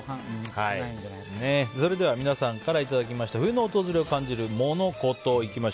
それでは皆さんからいただきました冬の訪れを感じるモノ・コト。